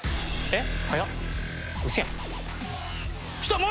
えっ？